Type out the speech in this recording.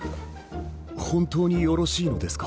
本当によろしいのですか？